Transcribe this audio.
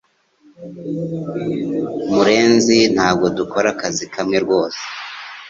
Murenzi Ntago dukora akazi kamwe rwose